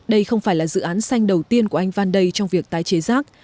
đây không phải là dự án xanh đầu tiên của anh van day trong việc tái chế rác